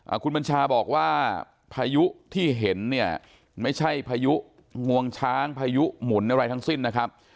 คุณบัญชาบอกว่าพายุที่เห็นเนี่ยไม่ใช่พายุงวงช้างพายุหมุนอะไรทั้งสิ้นนะครับ